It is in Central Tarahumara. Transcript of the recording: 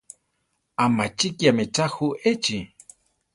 ¿Amachíkiame tza ju echi?